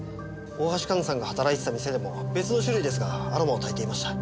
大橋香菜さんが働いてた店でも別の種類ですがアロマをたいていました。